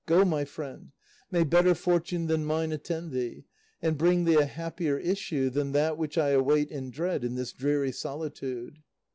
Go, my friend, may better fortune than mine attend thee, and bring thee a happier issue than that which I await in dread in this dreary solitude."